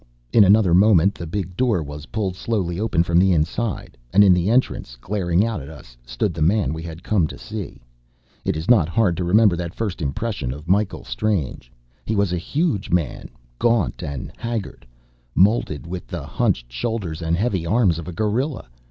In another moment the big door was pulled slowly open from the inside, and in the entrance, glaring out at us, stood the man we had come to see. It is not hard to remember that first impression of Michael Strange. He was a huge man, gaunt and haggard, moulded with the hunched shoulders and heavy arms of a gorilla.